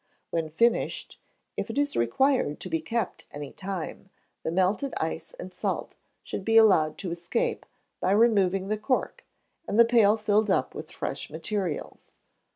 When finished, if it is required to be kept any time, the melted ice and salt should be allowed to escape, by removing the cork, and the pail filled up with fresh materials.